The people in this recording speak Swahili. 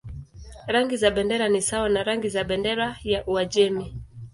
Rangi za bendera ni sawa na rangi za bendera ya Uajemi.